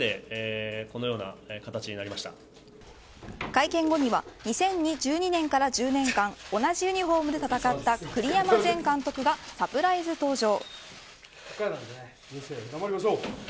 会見後には２０１２年から１０年間同じユニホームで戦った栗山前監督がサプライズ登場。